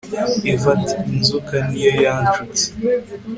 Eva ati inzoka niyo yanshutse